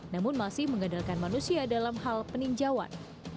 namun masih mengandalkan manusia dalam hal peninjauan